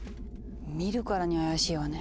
見るからに怪しいわね。